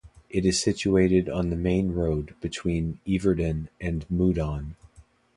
It is situated on the main road between Yverdon and Moudon.